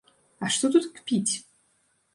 А што тут кпіць?